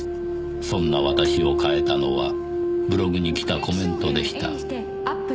「そんな私を変えたのはブログに来たコメントでした」